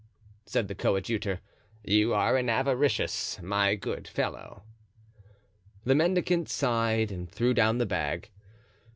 "Ah! ah!" said the coadjutor, "you are avaricious, my good fellow." The mendicant sighed and threw down the bag.